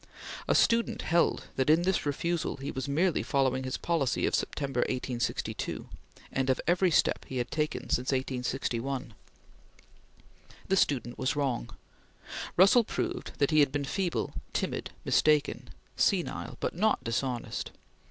A student held that, in this refusal, he was merely following his policy of September, 1862, and of every step he had taken since 1861. The student was wrong. Russell proved that he had been feeble, timid, mistaken, senile, but not dishonest.